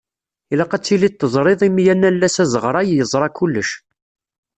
Ilaq ad tiliḍ teẓriḍ imi anallas azeɣray yeẓra kullec.